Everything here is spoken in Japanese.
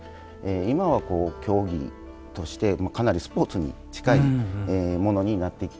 今は、競技としてかなりスポーツに近いものになってきて。